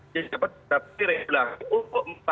yang dapat tetapi rejelaku